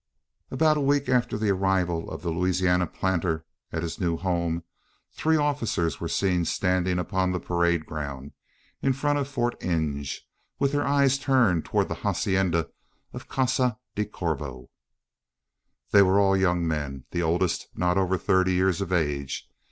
About a week after the arrival of the Louisiana planter at his new home, three officers were seen standing upon the parade ground in front of Fort Inge, with their eyes turned towards the hacienda of Casa del Corvo. They were all young men: the oldest not over thirty years of age.